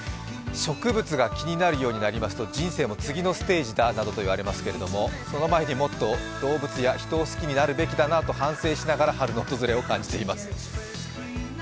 植物が気になるようになると人生の第２ステージだといいますがその前にもっと動物や人を好きになるべきだなと反省しながら春の訪れを感じています。